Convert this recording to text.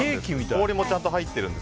氷もちゃんと入っているんです。